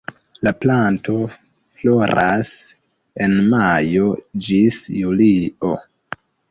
La planto floras en majo ĝis julio.